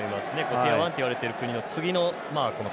ティア１といわれているチーム